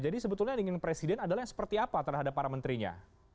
jadi sebetulnya presiden adalah yang seperti apa terhadap para menterinya